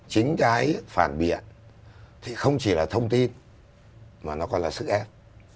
chính cái phản biệt thì không chỉ là thông tin mà nó còn là sức ép